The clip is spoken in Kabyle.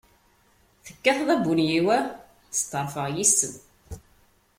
Tekkateḍ abunyiw ah! Setɛerfeɣ yis-m.